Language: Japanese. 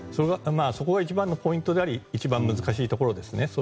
そこが一番のポイントであり一番難しいところですね。